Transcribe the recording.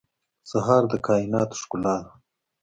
سهار د کایناتو ښکلا ده.